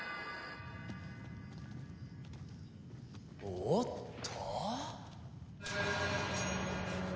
おっと？